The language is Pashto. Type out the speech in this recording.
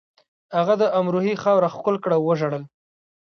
هغه د امروهې خاوره ښکل کړه او وژړل